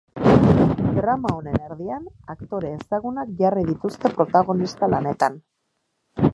Drama honen erdian aktore ezagunak jarri dituzte protagonista lanetan.